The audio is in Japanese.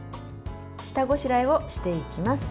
下ごしらえをしていきます。